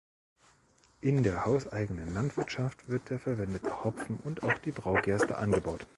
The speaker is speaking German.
In der hauseigenen Landwirtschaft wird der verwendete Hopfen und auch die Braugerste angebaut.